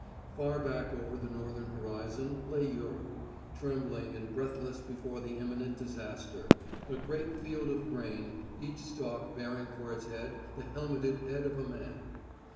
Far back over the northern horizon lay Europe, trembling and breathless before the imminent disaster a great field of grain, each stalk bearing for its head the helmeted head of a man.